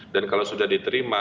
dan kalau sudah diterima